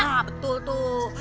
nah betul tuh